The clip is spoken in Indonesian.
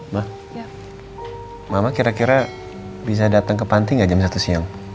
mbak mama kira kira bisa datang ke panti nggak jam satu siang